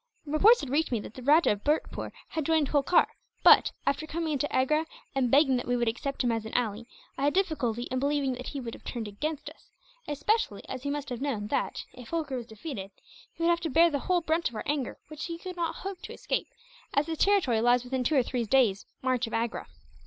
Reports had reached me that the Rajah of Bhurtpoor had joined Holkar but, after coming into Agra and begging that we would accept him as an ally, I had difficulty in believing that he would have turned against us; especially as he must have known that, if Holkar was defeated, he would have to bear the whole brunt of our anger which he could not hope to escape, as his territory lies within two or three days' march of Agra."